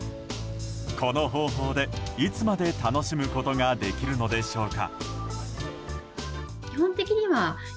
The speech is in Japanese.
この方法でいつまで楽しむことができるのでしょうか。